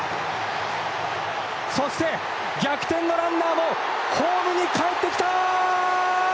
そして、逆転のランナーもホームに帰ってきた！